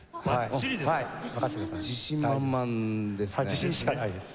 自信しかないです。